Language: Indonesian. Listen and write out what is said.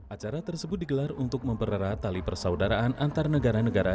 acara tersebut digelar untuk mempererat tali persaudaraan antar negara negara